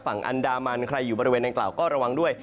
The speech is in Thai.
ฝั่งอันดามันใครอยู่บริเวณนางกล่าวก็ระวังด้วย